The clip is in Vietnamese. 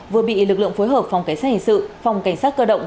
vừa bị lực lượng phối hợp phòng cảnh sát hình sự phòng cảnh sát cơ động